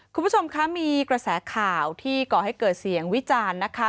คุณผู้ชมคะมีกระแสข่าวที่ก่อให้เกิดเสียงวิจารณ์นะคะ